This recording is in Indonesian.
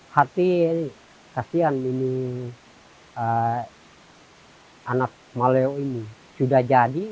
hati kasihan ini anak maleo ini sudah jadi